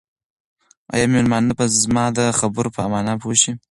آیا مېلمانه به زما د خبرو په مانا پوه شي؟